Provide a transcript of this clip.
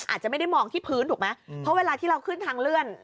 อาจจะไม่ได้มองที่พื้นถูกไหมเพราะเวลาที่เราขึ้นทางเลื่อน